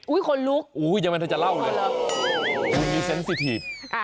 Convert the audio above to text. ุ้้ยคนลุกอย่ามันเธอจะเล่าภูมิเซ็นซิที